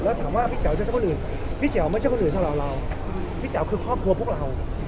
แล้วถามว่าพี่แจ๋วไม่ใช่คนอื่นพี่แจ๋วไม่ใช่คนอื่นสำหรับเราพี่แจ๋วคือครอบครัวพวกเรา